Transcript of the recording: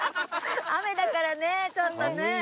雨だからねちょっとね。